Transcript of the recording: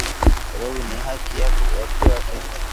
Sababu ni haki yako ya kuya na kintu